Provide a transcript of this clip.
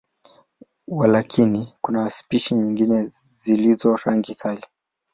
Walakini, kuna spishi nyingi zilizo rangi kali.